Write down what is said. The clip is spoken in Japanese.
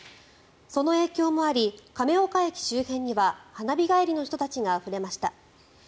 その影響もあり亀岡駅周辺には花火帰りの人たちがあふれました。